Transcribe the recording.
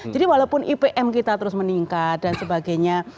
jadi walaupun ipm kita terus meningkat dan sebagainya